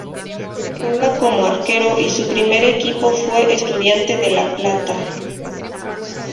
Juega como arquero y su primer equipo fue Estudiantes de La Plata.